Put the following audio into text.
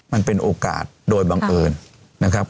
มันเป็นโอกาสโดยบังเอิญนะครับ